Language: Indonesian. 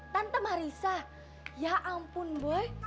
tante marissa ya ampun boy